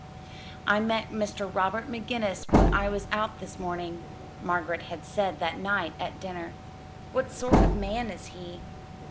"I met your Mr. Robert McGinnis when I was out this morning," Margaret had said that night at dinner. "What sort of man is he?"